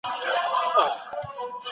دا علم زموږ د بقا لپاره اړین دی.